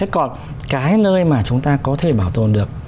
còn cái nơi mà chúng ta có thể bảo tồn được